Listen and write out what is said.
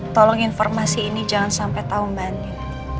tolong informasi ini jangan sampai tahu mbak andien